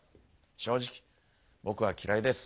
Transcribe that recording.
正直僕は嫌いです。